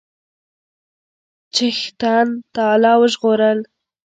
چښتن تعالی وژغورل.